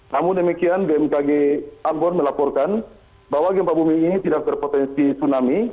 namun demikian bmkg ambon melaporkan bahwa gempa bumi ini tidak berpotensi tsunami